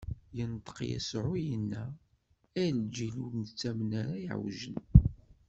Inṭeq Yasuɛ, inna: A lǧil ur nettamen ara, iɛewjen!